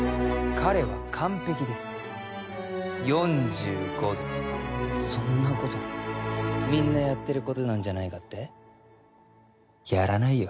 彼は完璧です４５度そんなことみんなやってることなんじゃないかって？やらないよ